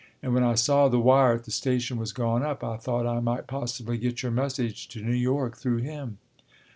And when I saw the wire at the station was gone up, I thought I might possibly get your message to New York through him."